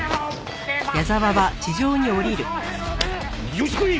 よしこい！